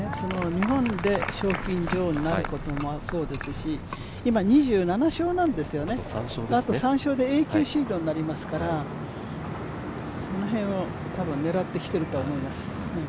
日本で賞金女王になることもそうですし今、２７勝なんですよね、あと３勝で永久シードになりますからその辺、多分狙ってきていると思います。